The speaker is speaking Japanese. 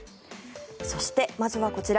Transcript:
そして、まずはこちら。